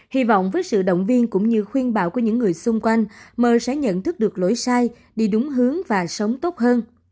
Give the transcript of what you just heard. hy vọng với sự động viên cũng như khuyên bảo của những người xung quanh mờ sẽ nhận thức được lỗi sai đi đúng hướng và sống tốt hơn